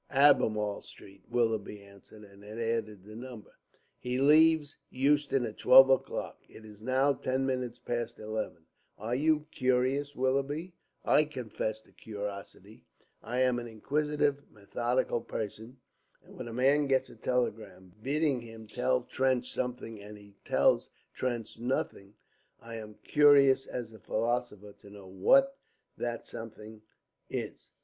"Albemarle Street," Willoughby answered, and added the number. "He leaves Euston at twelve o'clock. It is now ten minutes past eleven. Are you curious, Willoughby? I confess to curiosity. I am an inquisitive methodical person, and when a man gets a telegram bidding him tell Trench something and he tells Trench nothing, I am curious as a philosopher to know what that something is!